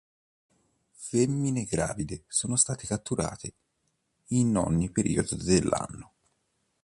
Femmine gravide sono state catturate in ogni periodo dell'anno.